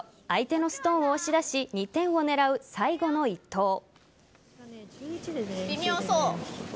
相手のストーンを押し出し２点を狙う最後の一投。